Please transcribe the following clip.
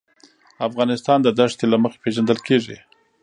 افغانستان د دښتې له مخې پېژندل کېږي.